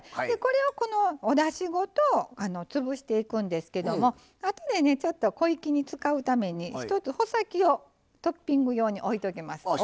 でこれをこのおだしごと潰していくんですけども後でちょっと小粋に使うために１つ穂先をトッピング用においときます。